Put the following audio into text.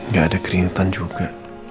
gak ada kerintan juga